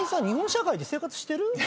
日本社会で生活してる？